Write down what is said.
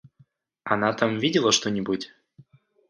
Она там видела что-нибудь?